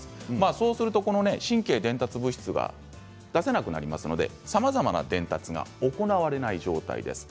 そうするとこの神経伝達物質が出せなくなりますのでさまざまな伝達が行われない状態です。